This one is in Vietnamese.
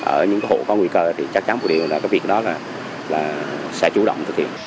ở những hộ có nguy cơ thì chắc chắn một điều là việc đó sẽ chủ động